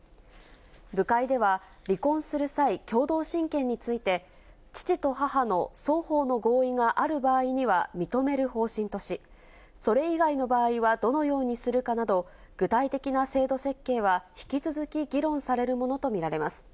部会では、離婚する際、共同親権について、父と母の双方の合意がある場合には認める方針とし、それ以外の場合はどのようにするかなど、具体的な制度設計は引き続き議論されるものと見られます。